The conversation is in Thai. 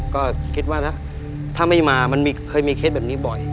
ก็คิดว่านะถ้าไม่มามันเคยมีเคสแบบนี้บ่อย